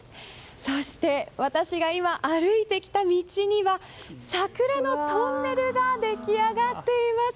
そして、私が今歩いてきた道には桜のトンネルが出来上がっています。